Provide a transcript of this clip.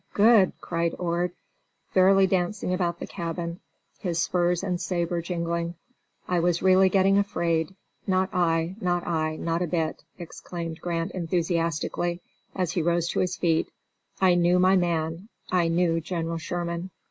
Good!" cried Ord, fairly dancing about the cabin, his spurs and saber jingling. "I was really getting afraid." "Not I, not I, not a bit," exclaimed Grant enthusiastically, as he rose to his feet. "_I knew my man. I knew General Sherman.